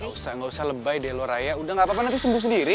enggak usah enggak usah lebay deh lo raya udah enggak apa apa nanti sembuh sendiri